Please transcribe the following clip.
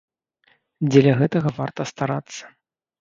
Дзеля гэтага варта старацца!